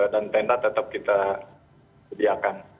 dan tenda tetap kita sediakan